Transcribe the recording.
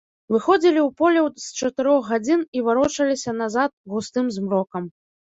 Выходзілі ў поле з чатырох гадзін і варочаліся назад густым змрокам.